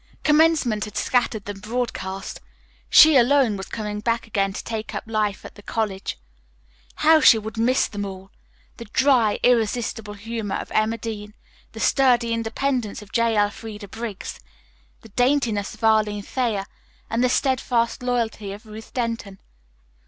Commencement had scattered them broadcast. She, alone, was coming back again to take up life at the college. How she would miss them all. The dry irresistible humor of Emma Dean, the sturdy independence of J. Elfreda Briggs, the daintiness of Arline Thayer and the steadfast loyalty of Ruth Denton.